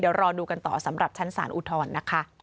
เดี๋ยวรอดูกันต่อสำหรับชั้นสารอุทธรณ์นะคะ